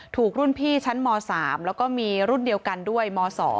ถูกรุ่นพี่ชั้นม๓แล้วก็มีรุ่นเดียวกันด้วยม๒